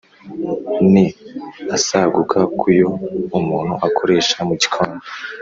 ni asaguka ku yo umuntu akoresha mu gikoni